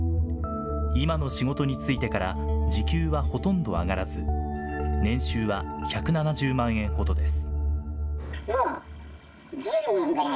今の仕事に就いてから時給はほとんど上がらず、年収は１７０万円ほどです。